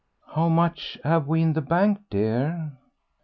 "How much have we in the bank, dear?"